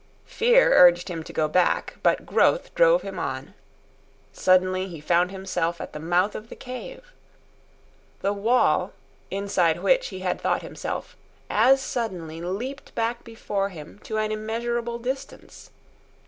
Fear urged him to go back, but growth drove him on. Suddenly he found himself at the mouth of the cave. The wall, inside which he had thought himself, as suddenly leaped back before him to an immeasurable distance.